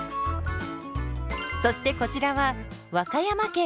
そしてこちらは和歌山県。